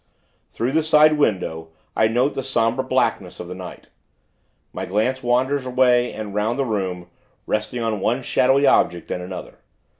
Through the side window, I note the somber blackness of the night. My glance wanders away, and 'round the room; resting on one shadowy object and another.